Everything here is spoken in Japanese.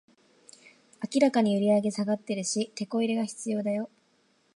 明らかに売上下がってるし、テコ入れが必要だよ